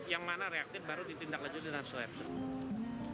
yang mana reaktif baru ditindak lanjut dengan swab